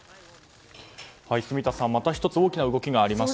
住田さん、また１つ大きな動きがありました。